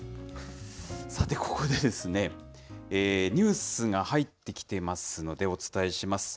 さて、ここでですね、ニュースが入ってきていますので、お伝えします。